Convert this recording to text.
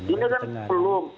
ini kan belum